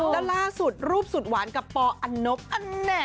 และล่าสุดรูปสุดหวานกับปออันนบอันแหน่